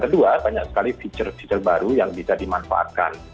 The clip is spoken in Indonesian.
kedua banyak sekali fitur fitur baru yang bisa dimanfaatkan